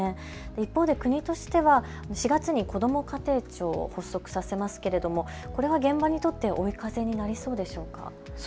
一方で国としては４月にこども家庭庁発足させますけれども、これは現場にとって追い風になりそうでしょうか。